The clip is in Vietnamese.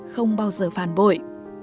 không bao giờ phản bội